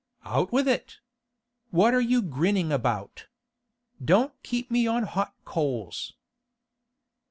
'Out with it! What are you grinning about? Don't keep me on hot coals.